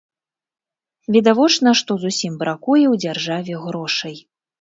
Відавочна, што зусім бракуе ў дзяржаве грошай.